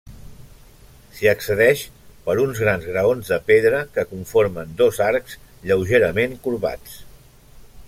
S'hi accedeix per uns grans graons de pedra que conformen dos arcs lleugerament corbats.